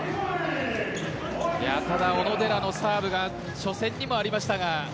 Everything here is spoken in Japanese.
ただ、小野寺のサーブが初戦にもありましたが。